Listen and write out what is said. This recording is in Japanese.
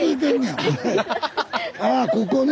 ああここね。